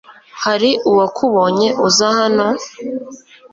Hari uwakubonye uza hano?